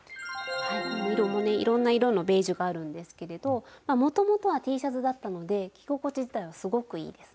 これ色もねいろんな色のベージュがあるんですけれどもともとはＴシャツだったので着心地自体はすごくいいですね。